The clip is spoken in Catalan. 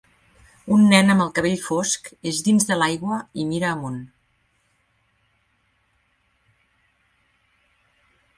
Un nen amb el cabell fosc és dins de l'aigua i mira amunt.